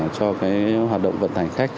cho hoạt động vận tài khách